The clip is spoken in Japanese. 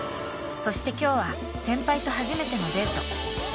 ［そして今日は先輩と初めてのデート］